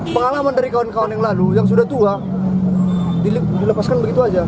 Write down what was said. pengalaman dari kawan kawan yang lalu yang sudah tua dilepaskan begitu saja